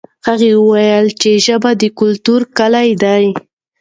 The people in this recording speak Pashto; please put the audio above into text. هغه وویل چې ژبه د کلتور کلي ده.